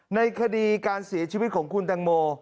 ในคดีการเสียชีวิตของคุณตังโม